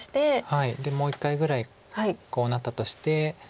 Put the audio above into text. でもう一回ぐらいこうなったとして。